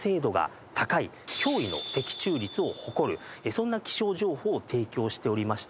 そんな気象情報を提供しておりまして。